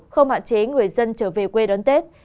không hạn chế người dân trở về quê đón tết